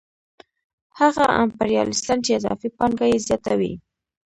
هغه امپریالیستان چې اضافي پانګه یې زیاته وي